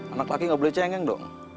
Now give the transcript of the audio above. anak laki nggak boleh cengeng dong